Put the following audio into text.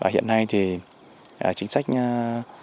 hiện nay chính sách đầu tư của đồng bào phù lá là ba trăm một mươi một hộ